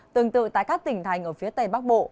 tương tự tại các tỉnh thành ở phía tây bắc bộ